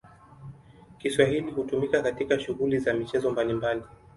Kiswahili hutumika katika shughuli za michezo mbalimbali.